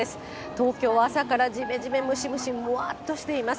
東京は朝からじめじめ、ムシムシ、もわっとしています。